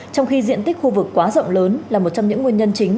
trong khi diện tích khu vực quá rộng lớn là một trong những nguyên nhân chính